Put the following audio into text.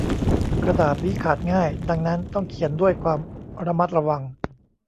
กระดาษนี้ขาดง่าย ดังนั้นต้องเขียนด้วยความระมัดระวัง